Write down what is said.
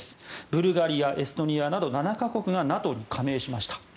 ブルガリア、エストニアなど７か国がＮＡＴＯに加盟しました。